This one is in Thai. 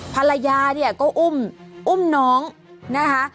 ภรรยาก็อุ้มอุ้มน้องนะคะ